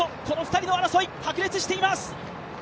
２人の争い、白熱しています！